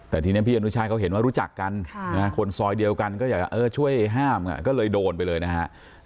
แต่ทีนี้พี่อนุชาติเขาเห็นว่ารู้จักกันคนซอยเดียวกันก็อยากจะช่วยห้ามก็เลยโดนไปเลยนะฮะ